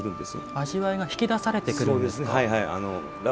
味わいが引き出されてくるんですか。